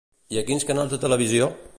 I a quins canals de televisió?